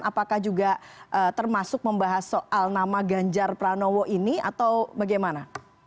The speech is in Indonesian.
apakah juga termasuk membahas soal nama ganjar pranowo ini atau bagaimana